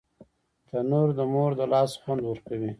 تنور د مور د لاس خوند ورکوي